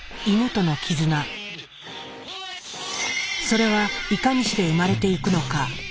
それはいかにして生まれていくのか。